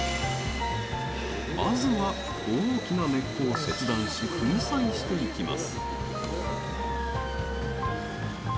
まずは大きな根っこを切断し粉砕していきます。